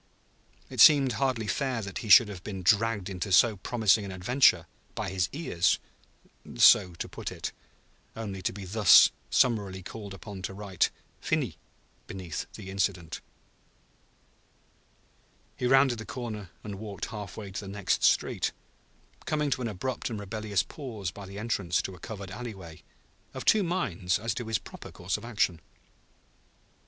It seemed hardly fair that he should have been dragged into so promising an adventure, by his ears (so to put it), only to be thus summarily called upon to write "Finis" beneath the incident. He rounded the corner and walked half way to the next street, coming to an abrupt and rebellious pause by the entrance to a covered alleyway, of two minds as to his proper course of action.